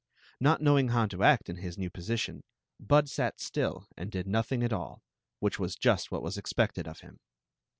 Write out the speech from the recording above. Not knowing how to act in his new portion. Bud sat still ami did nothing at all,, whkh was jutl what was expected of him.